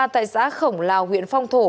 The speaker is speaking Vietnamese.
tại xã khổng lào huyện phong thổ